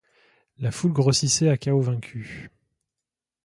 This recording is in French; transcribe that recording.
La foule grossissait à Chaos vaincu.